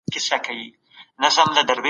هغه خپله پلرګنۍ په جريان کي اچوي